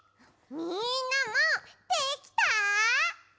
みんなもできた？